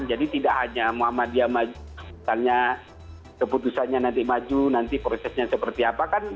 jadi tidak hanya muhammadiyah misalnya keputusannya nanti maju nanti prosesnya seperti apa kan